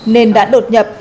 nên đã đột nhập